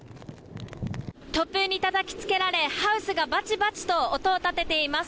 突風にたたきつけられハウスがバチバチと音を立てています。